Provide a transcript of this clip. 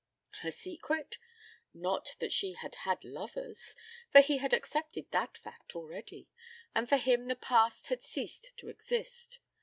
_... Her secret? Not that she had had lovers, for he had accepted that fact already, and for him the past had ceased to exist.